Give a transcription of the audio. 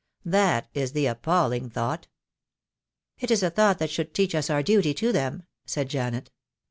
That is the ap palling thought." "It is a thought that should teach us our duty to them," said Janet.